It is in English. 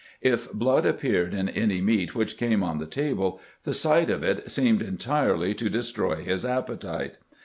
If blood appeared in any meat which came on the table, the sight of it seemed en tirely to destroy his appetite.